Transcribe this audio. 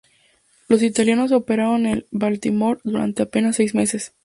Los italianos operaron el "Baltimore" durante apenas seis meses.